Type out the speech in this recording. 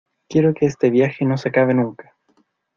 quiero que este viaje no se acabe nunca.